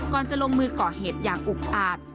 จะลงมือก่อเหตุอย่างอุกอาจ